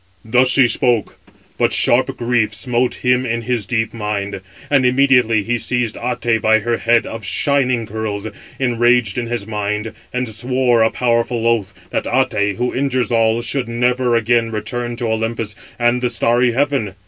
"Thus she spoke; but sharp grief smote him in his deep mind; and immediately he seized Até by her head of shining curls, enraged in his mind, and swore a powerful oath, that Até, who injures all, should never again return to Olympus and the starry heaven.